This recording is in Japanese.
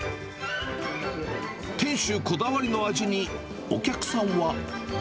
店主こだわりの味に、お客さんは。